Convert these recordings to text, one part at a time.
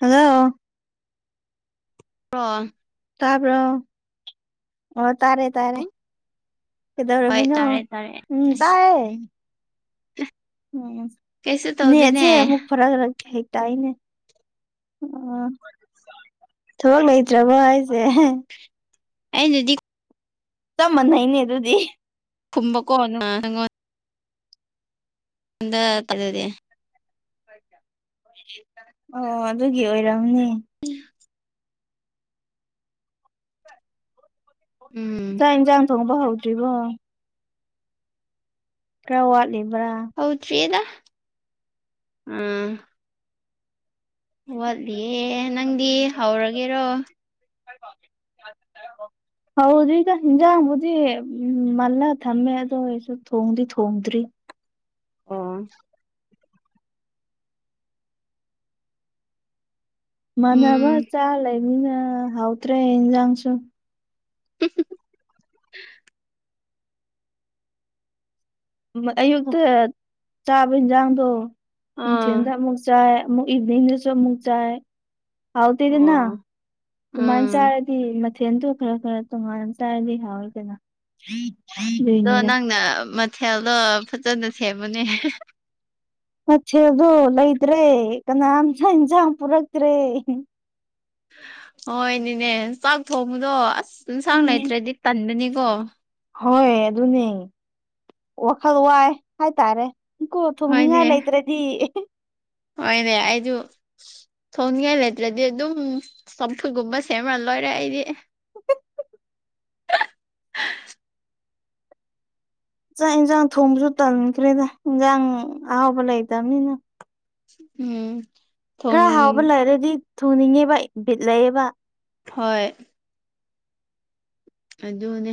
hello [unintelligible] ꯇꯥꯕ꯭ꯔꯣ ꯑꯣ ꯇꯥꯔꯦ ꯇꯥꯔꯦ ꯍꯣꯏ ꯀꯩꯗꯔꯝꯃꯤꯅꯣ ꯇꯥꯔꯦ ꯇꯥꯔꯦ ꯎꯝ ꯑꯁ ꯇꯥꯏꯌꯦ [unintelligible] ꯎꯝ ꯀꯩꯁꯨ ꯇꯧꯗꯦꯅꯦ ꯅꯦꯠꯁꯦ ꯑꯃꯨꯛ [unintelligible] ꯍꯦꯛ ꯇꯥꯏꯅꯦ ꯑ ꯊꯕꯛ ꯂꯩꯇ꯭ꯔꯕꯣ ꯍꯥꯏꯖꯦ [unintelligible] ꯑꯩꯗꯨꯗꯤ ꯆꯞ ꯃꯥꯟꯅꯩꯅꯦ ꯑꯗꯨꯗꯤ ꯀꯨꯝꯕ [unintelligible] ꯅꯪꯉꯣꯟ ꯅꯪꯉꯣꯟꯗ ꯇꯥꯜꯂꯦ ꯑꯣ ꯑꯗꯨꯒꯤ ꯑꯣꯏꯔꯝꯅꯤ ꯎ [unintelligible] ꯎꯝ ꯆꯥꯛ ꯌꯦꯟꯁꯥꯡ ꯊꯣꯡꯕ ꯍꯧꯗ꯭ꯔꯤꯕꯣ ꯈꯔ ꯋꯥꯠꯂꯤꯕ꯭ꯔꯥ ꯍꯧꯗ꯭ꯔꯤꯗ ꯎꯝ ꯋꯥꯠꯂꯤꯌꯦ ꯅꯪꯗꯤ ꯍꯧꯔꯒꯦꯔꯣ [unintelligible] ꯍꯧꯗ꯭ꯔꯤꯗ ꯍꯤꯟꯖꯥꯡꯕꯨꯗꯤ ꯎ ꯃꯜꯂ ꯊꯝꯃꯦ ꯑꯗꯨ ꯑꯣꯢꯔꯁꯨ ꯊꯣꯡꯗꯤ ꯊꯣꯡꯗ꯭ꯔꯤ ꯑꯣ ꯃꯥꯟꯅꯕ ꯎꯝ ꯆꯥ ꯂꯩꯅꯤꯅ ꯍꯥꯎꯗ꯭ꯔꯦ ꯏꯟꯁꯥꯡꯁꯨ [unintelligible] ꯑꯌꯨꯛꯇ ꯆꯥꯕ ꯏꯟꯁꯥꯡꯗꯣ ꯑꯥ ꯅꯨꯡꯊꯤꯜꯗ ꯑꯃꯨꯛ ꯆꯥꯏ ꯏꯚꯅꯤꯡꯗꯨꯁꯨ ꯑꯃꯨꯛ ꯆꯥꯏ ꯍꯥꯎꯇꯦꯗꯅꯥ ꯑꯣ ꯁꯨꯃꯥꯏꯅ ꯆꯥ ꯎꯝ ꯁꯤ ꯃꯊꯦꯜꯗꯣ ꯈꯔ ꯈꯔ ꯇꯣꯉꯥꯟꯅ ꯆꯥꯔꯗꯤ ꯍꯥꯎꯋꯦꯗꯅ ꯑꯗꯣ ꯑꯗꯨꯢꯅꯤꯗ ꯅꯪꯅ [unintelligible] ꯃꯊꯦꯜꯗꯣ ꯐꯖꯅ ꯁꯦꯝꯃꯨꯅꯦ ꯃꯊꯦꯗꯣ ꯂꯩꯇ꯭ꯔꯦ ꯀꯅꯥꯝꯇ ꯏꯟꯁꯥꯡ ꯄꯨꯔꯛꯇ꯭ꯔꯦ ꯍꯣꯏꯅꯦꯅꯦ ꯆꯥꯛ ꯊꯣꯡꯕꯗꯣ ꯑꯁ ꯌꯦꯟꯁꯥꯡ ꯎꯝ ꯂꯩꯇ꯭ꯔꯗꯤ ꯇꯟꯕꯅꯤꯀꯣ ꯍꯣꯏ ꯑꯗꯨꯅꯦ ꯋꯥꯈꯜ ꯋꯥꯏ ꯍꯥꯏꯇꯥꯔꯦ ꯀꯣ ꯊꯣꯡꯅꯤꯡꯉꯥꯏ ꯍꯣꯏꯅꯦ ꯂꯩꯇ꯭ꯔꯗꯤ ꯍꯣꯏꯅꯦ ꯑꯩꯖꯨ ꯊꯣꯡꯅꯤꯡꯉꯥꯏ ꯂꯩꯇ꯭ꯔꯗꯤ ꯑꯗꯨꯝ ꯆꯝꯐꯨꯠꯒꯨꯝꯕ ꯁꯦꯝꯃ ꯂꯣꯏꯔꯦ ꯑꯩꯗꯤ ꯆꯥꯛ ꯏꯟꯁꯥꯡ ꯊꯣꯡꯕꯁꯨ ꯇꯟꯈ꯭ꯔꯦꯗ ꯏꯟꯁꯥꯡ ꯑꯍꯥꯎꯕ ꯂꯩꯇꯝꯅꯤꯅ ꯎꯝ ꯊꯣꯡ ꯈꯔ ꯍꯥꯎꯕ ꯂꯩꯔꯗꯤ ꯊꯣꯡꯅꯤꯡꯉꯦꯕ ꯕꯤꯠ ꯂꯩꯑꯦꯕ ꯍꯣꯏ ꯑꯗꯨꯅꯦ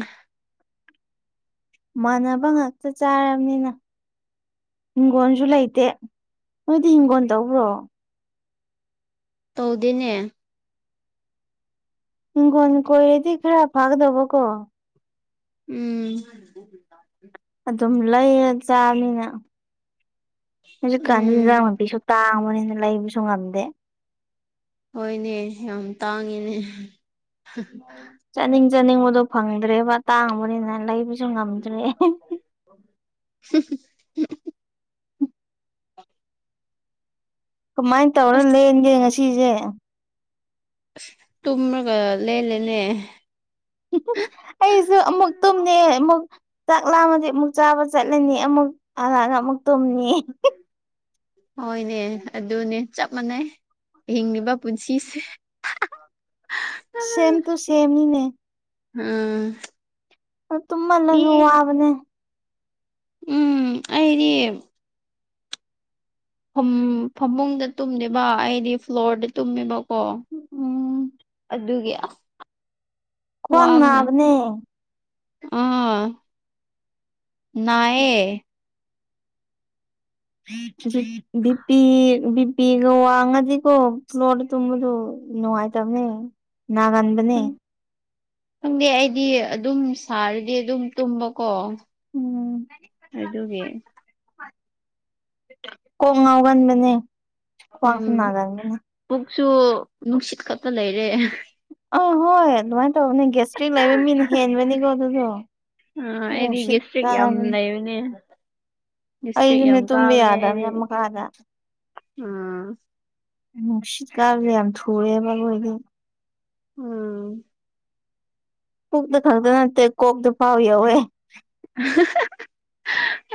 ꯃꯥꯟꯅꯕ ꯉꯥꯛꯇ ꯆꯥꯔꯕꯅꯤꯅ ꯍꯤꯡꯒꯣꯁꯨ ꯂꯩꯇꯦ ꯅꯣꯏꯗꯤ ꯍꯤꯡꯒꯣꯜ ꯇꯧꯕ꯭ꯔꯣ ꯇꯧꯗꯦꯅꯦ ꯨꯍꯤꯡꯒꯣꯟ ꯀꯣꯏꯔꯗꯤ ꯈꯔ ꯐꯥꯒꯗꯕ ꯀꯣ ꯎꯝ ꯑꯗꯨꯝ ꯂꯩꯔ ꯆꯥꯕꯅꯤꯅ ꯍꯧꯖꯤꯛ ꯀꯥꯟꯗꯤ ꯎꯝ ꯏꯟꯖꯥꯡ ꯅꯥꯄꯤꯁꯨ ꯇꯥꯡꯕꯅꯦꯅ ꯂꯩꯕꯁꯨ ꯉꯝꯗꯦ ꯍꯣꯏꯅꯦ ꯌꯥꯝ ꯇꯥꯡꯉꯤꯅꯦ ꯆꯥꯅꯤꯡ ꯆꯥꯅꯤꯡꯕꯗꯣ ꯐꯪꯗ꯭ꯔꯦꯕ ꯇꯥꯡꯕꯅꯤꯅ ꯂꯩꯕꯁꯨ ꯉꯝꯗ꯭ꯔꯦ ꯍꯝ [unintelligible] ꯀꯃꯥꯏ ꯇꯧꯔ ꯑꯁ ꯂꯦꯟꯒꯦ ꯉꯁꯤꯖꯦ ꯑꯁ ꯇꯨꯝꯂꯒ ꯂꯦꯜꯂꯦꯅꯦ ꯑꯩꯁꯨ ꯑꯃꯨꯛ ꯇꯨꯝꯃꯦ ꯑꯃꯨꯛ ꯆꯥꯛ ꯂꯥꯝꯃꯗꯤ ꯑꯃꯨꯛ ꯆꯥꯕ ꯆꯠꯂꯅꯤ ꯑꯃꯨꯛ ꯍꯜꯂꯛꯑꯒ ꯑꯃꯨꯛ ꯇꯨꯝꯅꯤ ꯍꯣꯏꯅꯦ ꯑꯗꯨꯅꯦ ꯆꯞ ꯃꯥꯟꯅꯩ ꯍꯤꯡꯂꯤꯕ ꯄꯨꯟꯁꯤꯁꯦ [inaudible] ꯁꯦꯝ ꯇꯨ ꯁꯦꯝꯅꯤꯅꯦ ꯎꯝ ꯃꯤ ꯇꯨꯃꯜꯂꯖꯨ ꯋꯥꯕꯅꯦ ꯎꯝ ꯑꯩꯗꯤ ꯐꯝ ꯐꯃꯨꯡꯗ ꯇꯨꯝꯗꯦꯕ ꯑꯩꯗꯤ ꯐ꯭ꯂꯣꯔꯗ ꯇꯨꯝꯃꯦꯕ ꯀꯣ ꯎꯝ ꯑꯗꯨꯒꯤ ꯑꯁ ꯈ꯭ꯋꯥꯡ ꯋꯥꯕꯅ ꯅꯥꯕꯅꯦ ꯑꯥ ꯅꯥꯏꯑꯦ ꯕꯤ ꯄꯤ ꯕꯤ ꯄꯤꯒ ꯋꯥꯡꯉꯗꯤꯀꯣ ꯐ꯭ꯂꯣꯔꯗ ꯇꯨꯝꯕꯗꯨ ꯅꯨꯡꯉꯥꯏꯇꯕꯅꯦ ꯅꯥꯒꯟ ꯈꯪꯗꯦ ꯑꯩꯗꯤ ꯑꯗꯨꯝ ꯁꯥꯔꯗꯤ ꯑꯗꯨꯝ ꯇꯨꯝꯕꯀꯣ ꯎꯝ ꯑꯗꯨꯒꯤ ꯀꯣꯛ ꯉꯥꯎꯒꯟꯕꯅꯦ ꯈ꯭ꯋꯥꯡꯁꯨ ꯎꯝ ꯅꯥꯒꯟꯕꯅꯦ ꯄꯨꯛꯁꯨ ꯅꯨꯡꯁꯤꯠ ꯈꯛꯇ ꯂꯩꯔꯦ ꯑꯥ ꯍꯣꯏ ꯑꯗꯨꯃꯥꯏꯅ ꯇꯧꯕꯅꯦ ꯒꯦꯁꯇ꯭ꯔꯤꯛ ꯂꯩꯕ ꯃꯤꯅ ꯍꯦꯟꯕꯅꯤꯀꯣ ꯑꯗꯨꯗꯣ ꯑꯥ ꯑꯩꯗꯤ ꯅꯨꯡꯁꯤꯠ ꯒꯦꯁꯇ꯭ꯔꯤꯛ ꯌꯥꯝ ꯀꯥꯕꯅꯦ ꯂꯩꯔꯦꯅꯦ ꯑꯩꯁꯨꯅꯦ ꯇꯨꯝꯕ ꯑꯩꯗꯤ ꯌꯥꯗꯕꯅꯦ ꯃꯈꯥꯗ ꯎꯝ ꯅꯨꯡꯁꯤꯠ ꯀꯥꯕꯁꯦ ꯌꯥꯝ ꯊꯨꯔꯦꯕ ꯑꯩꯈꯣꯏꯗꯣ ꯎꯝ ꯄꯨꯛꯇꯈꯛꯇ ꯅꯠꯇꯦ ꯀꯣꯛꯇ ꯐꯥꯎ ꯌꯧꯋꯦ [unintelligible]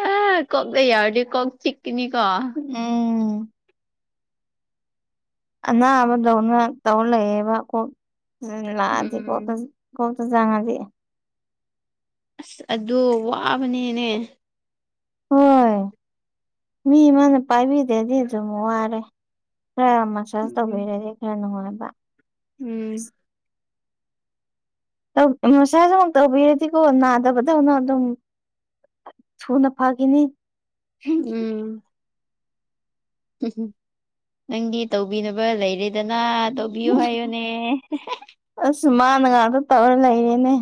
ꯑꯥ ꯀꯣꯛꯇ ꯌꯧꯔꯗꯤ ꯀꯣꯛ ꯆꯤꯛꯀꯅꯤꯀꯣ ꯎꯝ ꯑꯅꯥꯕꯗꯧꯅ ꯇꯧ ꯂꯩꯌꯦꯕꯀꯣ ꯂꯥꯛꯑꯗꯤꯀꯣ ꯎꯝ ꯀꯣꯛꯇ ꯆꯥꯡꯉꯗꯤ ꯑꯁ ꯑꯗꯨ ꯋꯥꯕꯅꯤꯅꯦ ꯍꯣꯏ ꯃꯤ ꯑꯃꯅ ꯄꯥꯏꯕꯤꯗꯔꯗꯤ ꯑꯗꯨꯝ ꯋꯥꯔꯦ ꯈꯔ ꯃꯁꯥ ꯁꯥꯆ ꯎꯝ ꯇꯧꯕꯤꯔꯗꯤ ꯈꯔ ꯅꯨꯡꯉꯥꯏꯕ ꯎꯝ ꯇꯧ ꯃꯁꯥꯁꯁꯨ ꯑꯃꯨꯛ ꯇꯧꯕꯤꯔꯗꯤꯀꯣ ꯅꯥꯗꯕꯗꯧꯅ ꯑꯗꯨꯝ ꯊꯨꯅ ꯐꯈꯤꯅꯤ ꯎꯝ ꯎꯝ ꯍꯨꯡ ꯅꯪꯗꯤ ꯇꯧꯕꯤꯅꯕ ꯂꯩꯔꯦꯗꯅ ꯇꯧꯕꯤꯌꯨ ꯍꯥꯏꯌꯨꯅꯦ ꯑꯁ ꯃꯥꯅ ꯉꯥꯛꯇ ꯇꯧꯔ ꯂꯩꯔꯤꯅꯦ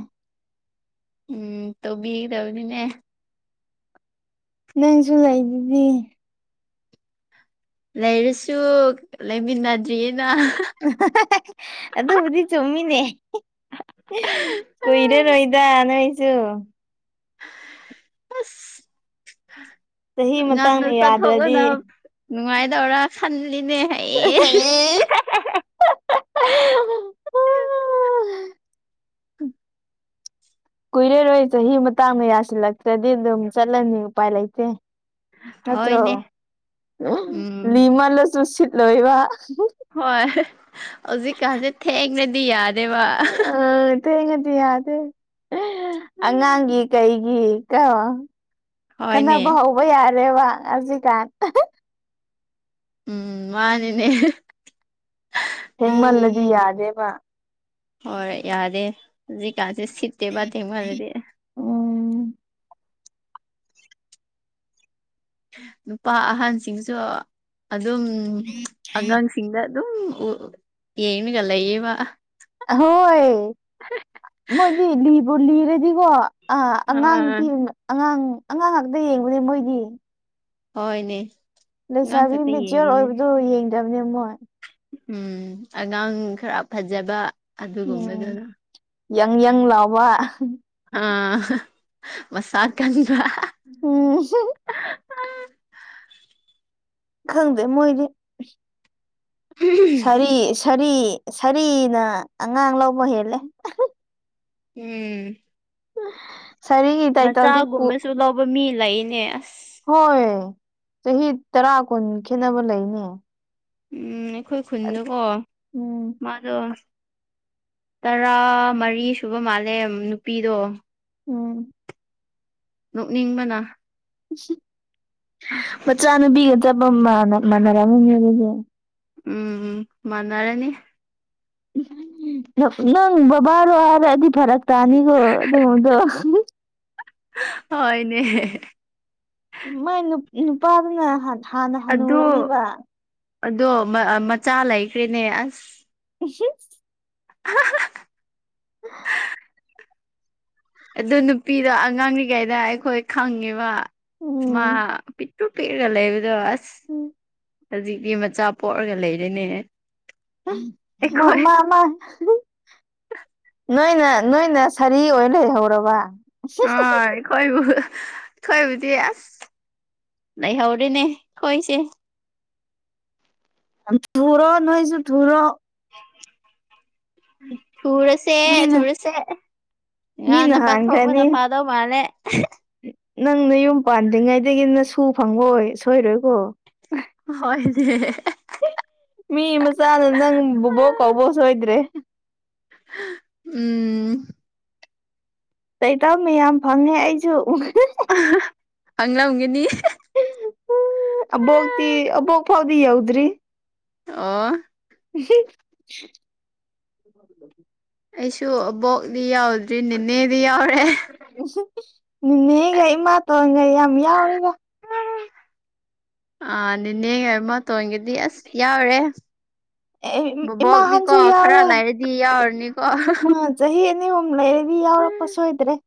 ꯎꯝ ꯇꯧꯕꯤꯒꯗꯕꯅꯤꯅꯦ ꯅꯪꯁꯨ ꯂꯩꯗꯨꯗꯤ ꯂꯩꯔꯁꯨ ꯂꯩꯃꯤꯟꯅꯗ꯭ꯔꯤꯑꯦꯅ [unintelligible] ꯑꯗꯨꯕꯨꯗꯤ ꯆꯨꯝꯃꯤꯅꯦ ꯀꯨꯏꯔꯔꯣꯏꯗ ꯅꯣꯏꯁꯨ ꯑꯁ ꯆꯍꯤ ꯉꯟꯅ ꯃꯇꯥꯡꯅ ꯌꯥꯗ꯭ꯔꯗꯤ ꯆꯠꯊꯣꯛꯂꯅ ꯅꯨꯡꯉꯥꯏꯗꯧꯔ ꯈꯜꯂꯤꯅꯦ ꯍꯌꯦ ꯀꯨꯏꯔꯦꯔꯣꯏ ꯆꯍꯤ ꯃꯇꯥꯡꯅ ꯌꯥꯁꯤꯜꯂꯛꯇ꯭ꯔꯗꯤ ꯑꯗꯨꯝ ꯆꯠꯂꯅꯤ ꯎꯄꯥꯏ ꯂꯩꯇꯦ ꯅꯠꯇ꯭ꯔꯣ ꯍꯣꯏꯅꯦ ꯎꯝ ꯂꯤꯃꯜꯂꯁꯨ ꯁꯤꯠꯂꯣꯏꯕ ꯍꯣꯏ ꯍꯧꯖꯤꯛꯀꯥꯟꯁꯦ ꯊꯦꯡꯔꯗꯤ ꯌꯥꯗꯦꯕ ꯑ ꯊꯦꯡꯉꯗꯤ ꯌꯥꯗꯦ ꯍꯥ ꯑꯉꯥꯡꯒꯤ ꯀꯩꯒꯤ ꯀꯣ ꯍꯣꯏꯅꯦ ꯈꯠꯅꯕ ꯍꯧꯕ ꯌꯥꯔꯦꯕ ꯍꯧꯖꯤꯛꯀꯥꯟ ꯑꯍꯥ ꯎꯨꯝ ꯃꯥꯅꯤꯅꯦ ꯊꯦꯡꯃꯜꯂꯗꯤ ꯌꯥꯗꯦꯕ ꯍꯣꯏ ꯌꯥꯗꯦ ꯍꯧꯖꯤꯀꯥꯟꯖꯦ ꯁꯤꯠꯇꯦꯕ ꯊꯦꯡꯃꯜꯂꯗꯤ ꯎꯨꯝ ꯅꯨꯄꯥ ꯑꯍꯟꯁꯤꯡꯁꯨ ꯑꯗꯨꯝ ꯑꯉꯥꯡ ꯁꯤꯡꯗ ꯑꯗꯨꯝ ꯎꯨ ꯌꯦꯉꯥꯒ ꯂꯩꯌꯦꯕ ꯑꯍꯣꯏ ꯃꯣꯏꯗꯤ ꯂꯤꯕꯨ ꯂꯤꯔꯗꯤꯀꯣ ꯑꯥ ꯑꯉꯥꯡ ꯑꯥ ꯄꯤ ꯑꯉꯥꯡ ꯑꯉꯥꯡ ꯉꯥꯛꯇ ꯌꯦꯡꯕꯅꯦ ꯃꯣꯏꯗꯤ ꯍꯣꯢꯅꯦ ꯂꯩꯁꯥꯕꯤ ꯃꯦꯆꯌꯣꯔ ꯑꯣꯏꯕꯗꯨ ꯌꯦꯡꯗꯕꯅꯦ ꯃꯣꯏ ꯎꯨꯝ ꯑꯉꯥꯡ ꯈꯔ ꯐꯖꯕ ꯎꯝ ꯑꯗꯨꯒꯨꯝꯕꯗꯨꯅ ꯌꯪ ꯌꯪ ꯂꯥꯎꯕ ꯑꯥ ꯃꯁꯥ ꯀꯟꯕ ꯎꯝ ꯍꯨꯍꯥ ꯈꯪꯗꯦ ꯃꯣꯏꯗꯤ ꯁꯥꯔꯤ ꯁꯥꯔꯤ ꯁꯥꯔꯤꯅ ꯑꯉꯥꯡ ꯂꯧꯕ ꯍꯦꯜꯂꯦ ꯎꯨꯝ ꯁꯔꯤꯒꯤ ꯇꯥꯏꯇꯜꯗꯤ ꯄꯨ ꯕ ꯃꯤ ꯂꯩꯅꯦ ꯑꯁ ꯍꯣꯏ ꯆꯍꯤ ꯇꯔꯥ ꯀꯨꯟ ꯈꯦꯠꯅꯕ ꯂꯩꯅꯦ ꯎꯝ ꯑꯩꯈꯣꯏ ꯈꯨꯟꯗꯀꯣ ꯎꯝ ꯃꯥ ꯑꯗꯣ ꯇꯔꯥ ꯃꯔꯤ ꯁꯨꯕ ꯃꯥꯜꯂꯦ ꯅꯨꯄꯤꯗꯣ ꯎꯝ ꯅꯣꯛꯅꯤꯡꯕꯅ ꯃꯆꯥꯅꯨꯄꯤꯒ ꯆꯞꯄ ꯃꯥꯟꯅ ꯃꯥꯟꯅꯔꯝꯃꯅꯦ ꯑꯗꯨꯗꯤ ꯎꯝ ꯃꯥꯟꯅꯔꯅꯤ ꯅꯣ ꯅꯪ ꯕꯕꯥꯔꯣ ꯍꯥꯏꯔꯛꯑꯗꯤ ꯐꯔꯛ ꯇꯥꯅꯤꯀꯣ ꯑꯗꯨꯒꯨꯝꯕꯗꯣ ꯍꯥ ꯍꯣꯢꯅꯦ ꯃꯥꯢ ꯅꯨꯞ ꯅꯨꯄꯥꯥꯗꯨ ꯅꯍꯥꯟ ꯑꯗꯨ ꯑꯗꯣ ꯑꯥ ꯃꯆꯥ ꯂꯩꯈ꯭ꯔꯦꯅꯦ ꯑꯁ ꯎꯍꯥ ꯍꯥ ꯍꯥ ꯍꯥ [inaudible] ꯑꯗꯨ ꯅꯨꯄꯤꯗꯣ ꯑꯉꯥꯡꯔꯤꯉꯩꯗ ꯑꯩꯈꯣꯏ ꯈꯪꯉꯦꯕ ꯃꯥ ꯎꯝ ꯄꯤ ꯇ꯭ꯔꯨ ꯄꯤꯛꯔꯒ ꯂꯩꯕꯗꯣ ꯑꯁ ꯎꯝ ꯍꯧꯖꯤꯛꯇꯤ ꯃꯆꯥ ꯄꯣꯛꯔꯒ ꯂꯩꯔꯦꯅꯦ ꯃꯥ ꯑꯩꯈꯣꯏ ꯃꯥ ꯃꯥ ꯍꯥ ꯅꯣꯏꯅ ꯅꯣꯏꯅ ꯁꯥꯔꯤ ꯑꯣꯏꯔ ꯂꯩꯍꯧꯔꯕ ꯑꯣꯢ ꯈꯣꯏꯕꯨ ꯈꯣꯏꯕꯨꯗꯤ ꯑꯁ ꯂꯩꯍꯧꯔꯦꯅꯦ ꯈꯣꯏꯁꯦ ꯍꯟꯊꯨꯔꯣ ꯅꯣꯏꯖꯨ ꯊꯨꯔꯣ ꯊꯨꯔꯁ ꯁꯦ ꯃꯤꯅ ꯊꯨꯔꯁꯦ ꯃꯤꯅ ꯉꯥꯟꯅ ꯄꯟꯊꯣꯛꯄꯅ ꯍꯥꯟꯈ꯭ꯔꯅꯤ ꯐꯥꯗꯧ ꯃꯥꯜꯂꯦ ꯅꯪ ꯅꯌꯨꯝ ꯄꯥꯟꯗ꯭ꯔꯤꯉꯩꯗꯒꯤ ꯅꯁꯨ ꯐꯪꯉꯣꯏ ꯁꯣꯏꯔꯣꯏꯀꯣ ꯍꯣꯏꯅꯦ ꯃꯤ ꯃꯆꯥꯅ ꯅꯪ ꯕꯣꯕꯣꯛ ꯀꯧꯕ ꯁꯣꯏꯗ꯭ꯔꯦ ꯎꯝ ꯇꯥꯏꯇꯜ ꯃꯌꯥꯝ ꯐꯪꯉꯦ ꯑꯩꯁꯨ ꯐꯪꯂꯝꯒꯅꯤ ꯑꯕꯣꯛꯇꯤ ꯑꯕꯣꯛ ꯐꯥꯎꯗꯤ ꯌꯧꯗ꯭ꯔꯤ ꯑꯣ [unintelligible] [inaudible] ꯑꯩꯁꯨ ꯑꯕꯣꯛꯗꯤ ꯌꯥꯎꯗ꯭ꯔꯤ ꯅꯦꯅꯦꯗꯤ ꯌꯥꯎꯔꯦ ꯅꯤꯅꯦꯒ ꯏꯃꯥꯇꯣꯟꯒ ꯌꯥꯝ ꯌꯥꯎꯋꯤꯗ ꯑꯥ ꯅꯦꯅꯦꯒ ꯏꯃꯥꯇꯣꯟꯒꯗꯤ ꯑꯁ ꯌꯥꯎꯔꯦ ꯕꯨꯕꯣꯛꯗꯤꯀꯣ ꯏꯃꯥꯍꯟꯁꯨ ꯈꯔ ꯌꯥꯎꯔꯦ ꯂꯩꯔꯗꯤ ꯌꯥꯎꯔꯅꯤꯀꯣ ꯆꯍꯤ ꯑꯅꯤ ꯑꯍꯨꯝ ꯂꯩꯔꯗꯤ ꯌꯥꯎꯔꯛꯄ ꯁꯣꯏꯗ꯭ꯔꯦ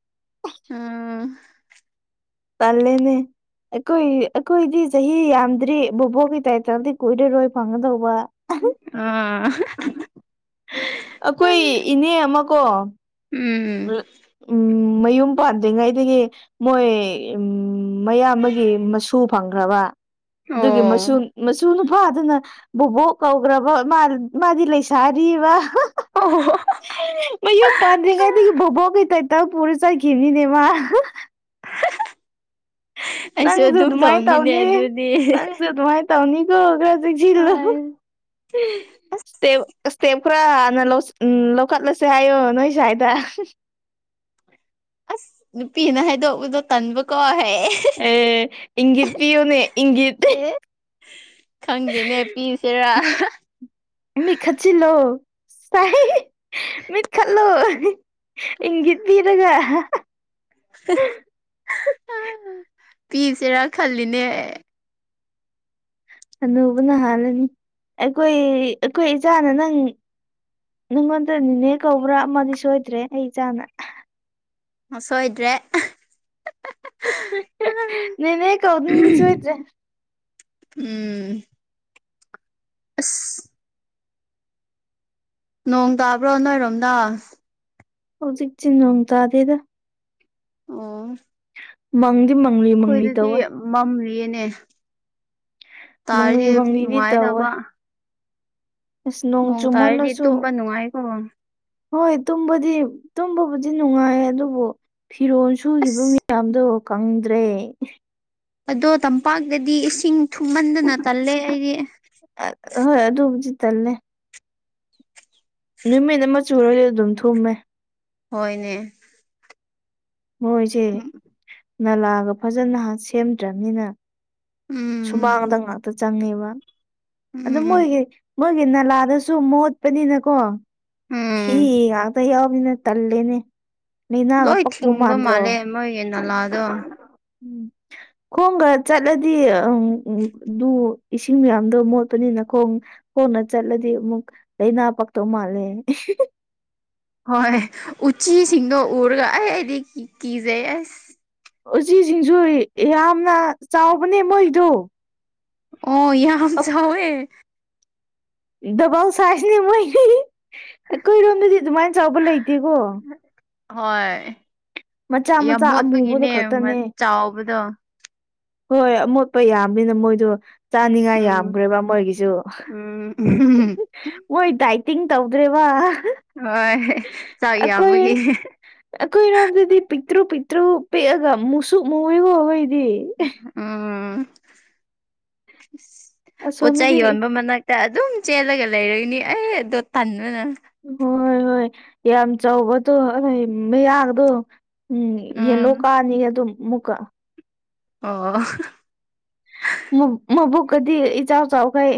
ꯎꯝ ꯇꯜꯂꯦꯅꯦ ꯑꯩꯈꯣꯏ ꯑꯩꯈꯣꯏꯗꯤ ꯆꯍꯤ ꯌꯥꯝꯗ꯭ꯔꯤ ꯕꯣꯕꯣꯛꯒꯤ ꯇꯥꯏꯇꯜꯗꯤ ꯀꯨꯏꯔꯔꯣꯏ ꯐꯪꯒꯗꯧꯕ ꯑꯥ ꯑꯈꯣꯏ ꯏꯅꯦ ꯑꯃꯀꯣ ꯎꯝ ꯎꯝ ꯃꯌꯨꯝ ꯄꯥꯟꯗ꯭ꯔꯤꯉꯩꯗꯒꯤ ꯃꯣꯏ ꯎꯝ ꯃꯌꯥꯝꯕꯒꯤ ꯃꯁꯨ ꯐꯪꯈ꯭ꯔꯕꯥ ꯑꯗꯨꯒꯤ ꯑꯣ ꯃꯁꯨ ꯃꯁꯨ ꯅꯨꯄꯥꯗꯨꯅ ꯕꯨꯕꯣꯛ ꯀꯧꯒ꯭ꯔꯕ ꯃꯥ-ꯃꯥꯗꯤ ꯂꯩꯁꯥꯔꯤꯕ ꯑꯣ ꯍꯣ [unintelligible] ꯃꯌꯨꯝ ꯄꯥꯥꯟꯗ꯭ꯔꯤꯉꯩꯗꯩ ꯕꯨꯕꯣꯛꯀꯤ ꯇꯥꯏꯇꯜ ꯄꯨꯔ ꯆꯠꯈꯤꯕꯅꯤꯅꯦ ꯃꯥ ꯑꯩꯁꯨ ꯅꯪꯖꯨ ꯑꯗꯨꯝ ꯑꯗꯨꯃꯥꯏꯅ ꯇꯧꯅꯤꯅꯦ ꯇꯧꯅꯤ ꯑꯗꯨꯗꯤ ꯅꯪꯖꯨ ꯑꯗꯨꯃꯥꯏ ꯇꯧꯅꯤꯒꯣ ꯈ꯭ꯔ ꯆꯦꯛꯁꯤꯜꯂꯨ ꯍꯣꯏ ꯑꯁ ꯁ꯭ꯇꯦꯞ ꯁ꯭ꯇꯦꯞ ꯈꯔ ꯍꯥꯟꯅ ꯂꯧꯁ ꯎꯝ ꯂꯧꯈꯠꯂꯁꯦ ꯍꯥꯏꯌꯣ ꯅꯣꯏ ꯁꯥꯏꯗ ꯑꯁ ꯅꯨꯄꯤꯅ ꯍꯥꯏꯗꯣꯛꯄꯗꯣ ꯇꯟꯕꯀꯣ ꯍꯥꯏꯑꯦ ꯑꯦ ꯏꯪꯒꯤꯠ ꯄꯤꯌꯨꯅꯦ ꯏꯪꯒꯤꯠ ꯑꯦ ꯈꯪꯗꯦꯅꯦ ꯄꯤꯁꯦꯔꯥ ꯃꯤꯠ ꯈꯠꯆꯤꯜꯂꯣ ꯇꯥꯢ ꯃꯤꯠ ꯈꯠꯂꯣ ꯏꯪꯒꯤꯠ ꯄꯤꯔꯒ ꯑ ꯄꯤꯁꯦꯔꯥ ꯈꯜꯂꯤꯅꯦ ꯍꯅꯨꯕꯅ ꯅꯥꯜꯂꯅꯤ ꯑꯩꯈꯣꯏ ꯑꯩꯈꯣꯏ ꯏꯆꯥꯅ ꯅꯪ ꯅꯪꯉꯣꯟꯗ ꯅꯤꯅꯦ ꯀꯧꯕ꯭ꯔꯥ ꯑꯃꯗꯤ ꯁꯣꯏꯗ꯭ꯔꯦ ꯑꯩ ꯏꯆꯥꯅ ꯁꯣꯏꯗ꯭ꯔꯦ ꯅꯦꯅꯦ ꯀꯧꯗꯨꯏꯅꯤ ꯁꯣꯏꯗ꯭ꯔꯦ ꯎꯝ ꯑꯁ ꯅꯣꯡ ꯇꯥꯕ꯭ꯔꯣ ꯅꯣꯏꯔꯣꯝꯗꯥ ꯍꯧꯖꯤꯛꯇꯤ ꯅꯣꯡ ꯇꯥꯗꯦꯗ ꯎꯝ ꯃꯪꯗꯤ ꯃꯪꯂꯤ ꯃꯪꯂꯤ ꯇꯧꯋꯦ ꯃꯝꯔꯤꯌꯦꯅꯦ ꯇꯥꯔꯗꯤ ꯃꯪꯂꯤ ꯃꯪꯂꯤꯗꯤ ꯇꯧꯋꯦ ꯅꯨꯡꯉꯥꯏꯗꯧꯕ ꯑꯁ ꯅꯣꯡ ꯇꯥꯔꯗꯤ ꯆꯨꯝꯃꯜꯂꯁꯨ ꯇꯨꯝꯕ ꯅꯨꯡꯉꯥꯏꯌꯦꯀꯣ ꯍꯣꯏ ꯇꯨꯝꯕꯗꯤ ꯇꯨꯝꯕꯕꯨꯗꯤ ꯅꯨꯡꯉꯥꯏ ꯑꯗꯨꯕꯨ ꯐꯤꯔꯣꯜ ꯁꯨꯒꯤꯕ ꯑꯁ ꯃꯤꯌꯥꯝꯗꯣ ꯀꯪꯗ꯭ꯔꯦ ꯑꯗꯣ ꯇꯝꯄꯥꯛꯇꯗꯤ ꯏꯁꯤꯡ ꯊꯨꯝꯃꯟꯗꯅ ꯇꯜꯂꯦ ꯑꯩꯗꯤ ꯍꯣꯏ ꯑꯗꯨꯕꯨꯗꯤ ꯇꯜꯂꯦ ꯅꯨꯃꯤꯠ ꯑꯃ ꯆꯨꯔꯗꯤ ꯑꯗꯨꯝ ꯊꯨꯝꯃꯦ ꯍꯣꯏꯅꯦ ꯃꯣꯏꯁꯦ ꯎꯝ ꯅꯂꯥꯒ ꯐꯖꯅ ꯍꯥꯟ ꯁꯦꯝꯗ꯭ꯔꯃꯤꯅ ꯎꯝ ꯁꯨꯃꯥꯡꯗ ꯉꯥꯛꯇ ꯆꯪꯉꯦꯕ ꯑꯗꯨ ꯎꯝ ꯃꯣꯏꯒꯤ ꯃꯣꯏꯒꯤ ꯅꯂꯥꯗꯁꯨ ꯃꯣꯠꯄꯅꯤꯅꯀꯣ ꯊꯤ ꯎꯝ ꯉꯥꯛꯇ ꯌꯥꯎꯕꯅꯤꯅ ꯇꯜꯂꯦꯅꯦ ꯂꯩꯅꯥꯒ ꯂꯣꯏ ꯄꯛꯇꯧ ꯊꯤꯡꯕ ꯃꯥꯟꯗ꯭ꯔꯣ ꯃꯥꯜꯂꯦ ꯃꯣꯏꯒꯤ ꯅꯂꯥꯗꯣ ꯎꯝ ꯈꯣꯡꯒ ꯆꯠꯂꯗꯤ ꯑꯝ ꯎꯝ ꯗꯨ ꯏꯁꯤꯡ ꯃꯌꯥꯝꯗꯣ ꯃꯣꯠꯄꯅꯤꯅ ꯈꯣꯡ ꯈꯣꯡꯅ ꯆꯠꯂꯗꯤ ꯑꯃꯨꯛ ꯂꯩꯅꯥ ꯄꯛꯇꯧ ꯃꯥꯜꯂꯦ ꯍꯣꯏ ꯎꯆꯤꯁꯤꯡꯗꯣ ꯎꯔꯒ ꯑꯩ ꯑꯩꯗꯤ ꯀꯤꯖꯩ ꯑꯁ ꯎꯆꯤꯁꯤꯡꯁꯨ ꯌꯥꯝꯅ ꯆꯥꯎꯕꯅꯦ ꯃꯣꯏꯗꯨ ꯑꯣ ꯌꯥꯝ ꯆꯥꯎꯋꯦ ꯗꯕꯜ ꯁꯥꯏꯖꯅꯦ ꯃꯣꯏꯒꯤ ꯑꯩꯈꯣꯏꯔꯣꯝꯗꯗꯤ ꯑꯗꯨꯃꯥꯏ ꯆꯥꯎꯕ ꯂꯩꯇꯦꯀꯣ ꯍꯣꯏ ꯃꯆꯥ ꯌꯥꯝ ꯃꯆꯥ ꯑꯃꯨꯕꯗꯣ ꯃꯣꯠꯄꯒꯤꯅꯦ ꯃ ꯈꯛꯇꯅꯦ ꯆꯥꯎꯕꯗꯣ ꯍꯣꯏ ꯑꯃꯣꯠꯄ ꯌꯥꯝꯕꯅꯤꯅ ꯃꯣꯏꯗꯣ ꯆꯥꯅꯤꯡꯉꯥꯏ ꯎꯝ ꯌꯥꯝꯒ꯭ꯔꯦꯕ ꯃꯣꯏꯒꯤꯖꯨ ꯎꯝ ꯃꯣꯏ ꯗꯥꯏꯇꯤꯡ ꯇꯧꯗ꯭ꯔꯤꯕ ꯍꯣꯏ ꯆꯥꯛ ꯌꯥꯝꯕꯒꯤ ꯑꯩꯈꯣꯏ ꯔꯣꯝꯗꯗꯤ ꯄꯤꯛꯇ꯭ꯔꯨ ꯄꯤꯛꯇ꯭ꯔꯨ ꯄꯤꯛꯑꯒ ꯃꯨꯁꯨꯛ ꯃꯨꯏꯋꯦꯀꯣ ꯑꯈꯣꯏꯒꯤꯗꯤ ꯎꯝ ꯑꯁꯣꯝꯗꯗꯤ ꯄꯣꯠꯆꯩꯩ ꯌꯣꯟꯕ ꯃꯅꯥꯛ ꯇ ꯑꯗꯨꯝ ꯆꯦꯜꯂꯒ ꯂꯩꯔꯅꯤ ꯑꯩ ꯑꯗꯣ ꯇꯟꯕꯅ ꯍꯣꯏ ꯍꯣꯏ ꯌꯥꯝ ꯆꯥꯎꯕꯗꯣ ꯑꯩꯈꯣꯏ ꯃꯌꯥꯒꯗꯣ ꯎꯝ ꯎꯝ ꯌꯦꯜꯂꯣ ꯀꯥꯅꯤ ꯑꯗꯨꯝ ꯃꯨꯛꯀ ꯑꯣ ꯃꯨ ꯃꯕꯨꯛ ꯀꯗꯤ ꯏꯆꯥꯎ ꯆꯥꯎꯈꯩ